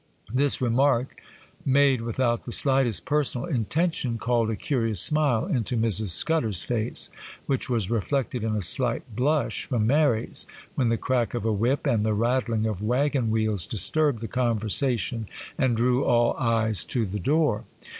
This remark, made without the slightest personal intention, called a curious smile into Mrs. Scudder's face, which was reflected in a slight blush from Mary's, when the crack of a whip and the rattling of waggon wheels disturbed the conversation and drew all eyes to the door.